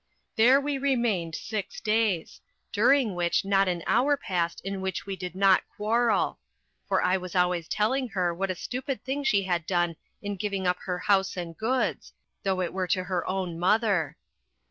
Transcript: There we remained six days, during which not an hour passed in which we did not quarrel; for I was always telling her what a stupid thing she had done in giving up her house and goods, though it were to her own mother.